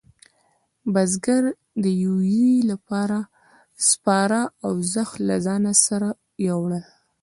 بزگر د یویې لپاره سپاره او زخ له ځانه سره وېوړل.